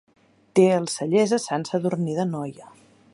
Té els cellers a Sant Sadurní d'Anoia.